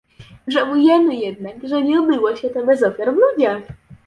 Żałujemy jednak, że nie obyło się to bez ofiar w ludziach